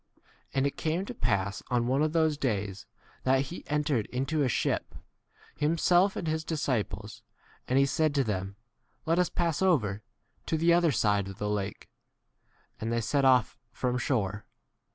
22 And it came to pass on one of those days, that a he entered into a ship, himself and his dis ciples ; and he said to them, Let us pass over to the other side of the lake ; and they set off from 23 shore.